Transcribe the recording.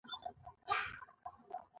چې په کې د پښتو د چاپ شوي کتابونو